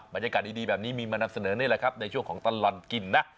บรรยากาศดีแบบนี้มีมานำเสนอนี่แหละครับในช่วงของตลอดกินนะ